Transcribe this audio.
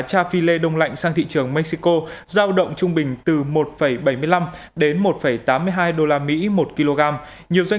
cha philet đông lạnh sang thị trường mexico dao động trung bình từ một bảy mươi năm đến một tám mươi hai usd một kg nhiều doanh